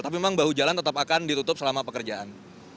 tapi memang bahu jalan tetap akan ditutup selama pekerjaan